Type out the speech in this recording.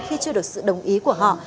khi chưa được sự đồng ý của họ